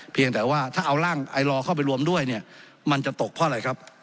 เพียงแต่ว่าถ้าเอาร่างไอลอเข้าไปรวมด้วยเนี่ยมันจะตกเพราะอะไรครับ